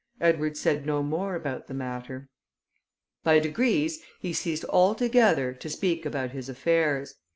Edward said no more about the matter. By degrees he ceased altogether to speak about his affairs.